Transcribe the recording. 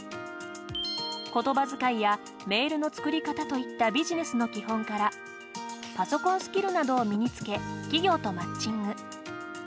言葉遣いやメールの作り方といったビジネスの基本からパソコンスキルなどを身に付け企業とマッチング。